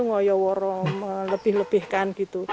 ngoyo woro melebih lebihkan gitu